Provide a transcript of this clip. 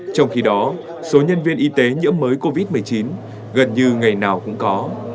trong khi đó số nhân viên y tế nhiễm mới covid một mươi chín gần như ngày nào cũng có